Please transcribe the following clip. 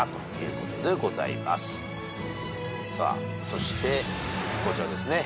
そしてこちらですね。